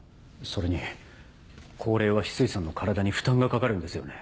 それに降霊は翡翠さんの体に負担がかかるんですよね？